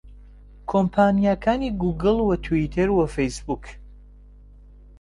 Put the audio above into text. کۆمپانیاکانی گووگڵ و تویتەر و فەیسبووک